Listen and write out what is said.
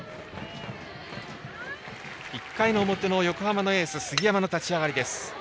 １回の表の横浜のエース杉山の立ち上がりです。